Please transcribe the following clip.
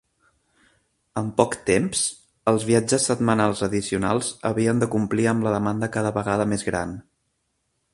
En poc temps, els viatges setmanals addicionals havien de complir amb la demanda cada vegada més gran.